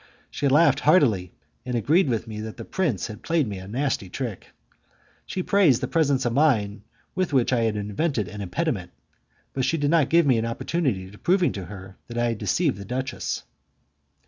She laughed heartily, and agreed with me that the prince had played me a nasty trick. She praised the presence of mind with which I had invented an impediment, but she did not give me an opportunity of proving to her that I had deceived the duchess.